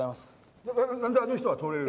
何であの人は通れる。